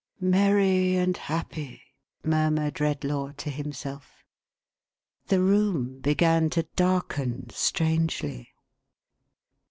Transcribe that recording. " Merry and happy," murmured Redlaw to himself. The room began to darken strangely.